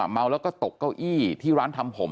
เมาแล้วก็ตกเก้าอี้ที่ร้านทำผม